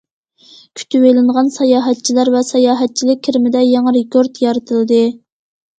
كۈتۈۋېلىنغان ساياھەتچىلەر ۋە ساياھەتچىلىك كىرىمىدە يېڭى رېكورت يارىتىلدى.